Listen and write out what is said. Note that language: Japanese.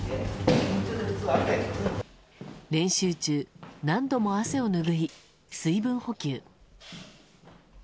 練習中、何度も汗を拭い水分補給。